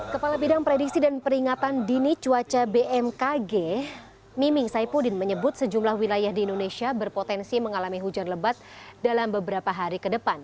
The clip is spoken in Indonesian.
kepala bidang prediksi dan peringatan dini cuaca bmkg miming saipudin menyebut sejumlah wilayah di indonesia berpotensi mengalami hujan lebat dalam beberapa hari ke depan